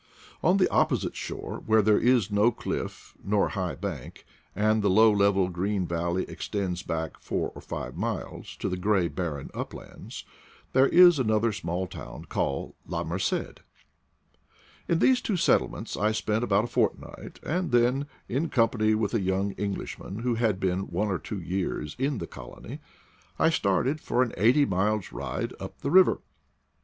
On the opposite shore, where there is no cliff nor high bank, and the low level green valley extends back four or five miles to the gray barren uplands, there is another small town called L a Merce d, In these two settlements I spent about a fortnight, and then, in company with a young Englishman, who had been one or two years in the colony, I started for an eighty miles 9 ride up the river.